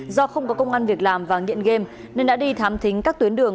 do không có công an việc làm và nghiện game nên đã đi thám thính các tuyến đường